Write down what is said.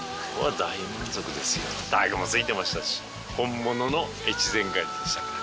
タグも付いてましたし本物の越前ガニでしたから。